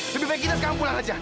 lebih baik kita sekarang pulang aja